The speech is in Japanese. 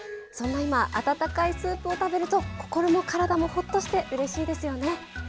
そんな今温かいスープを食べると心も体もほっとしてうれしいですよね！